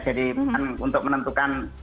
jadi untuk menentukan